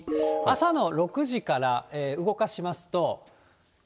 朝の６時から動かしますと。